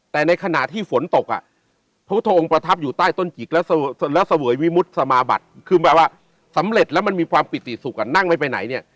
แต่ในขณะที่ฝนตกอ่ะพระพุทธองค์ประทับอยู่ใต้ต้นจิกแล้วเสวยวิมุติสมาบัตรคือแบบว่าสำเร็จแล้วมันมีความปิติสุขนั่งไม่ไปไหนเนี่ย